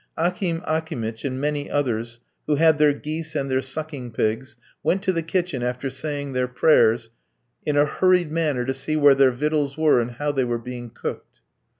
Akim Akimitch, and many others, who had their geese and their sucking pigs, went to the kitchen, after saying their prayers, in a hurried manner to see where their victuals were and how they were being cooked.